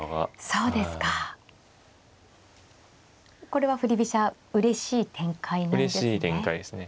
これは振り飛車うれしい展開なんですね。